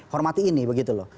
hormati ini begitu loh